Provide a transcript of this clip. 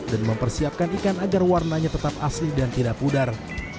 dan mempersiapkan ikan agar warnanya tetap asli dan tidak pudar